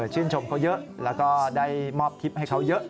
ชื่นชมเขาเยอะแล้วก็ได้มอบทริปให้เขาเยอะ